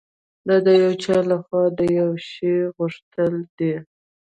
دا د یو چا لهخوا د یوه شي غوښتل دي